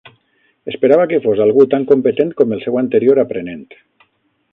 Esperava que fos algú tan competent com el seu anterior aprenent.